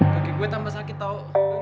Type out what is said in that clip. kaki gue tambah sakit tau